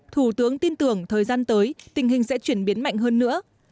thủ tướng tin tưởng thời gian tới tình hình sẽ chuyển biến mạnh hơn nữa